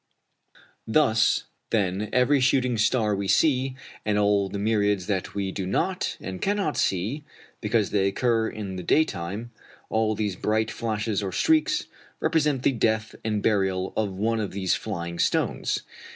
Thus, then, every shooting star we see, and all the myriads that we do not and cannot see because they occur in the day time, all these bright flashes or streaks, represent the death and burial of one of these flying stones.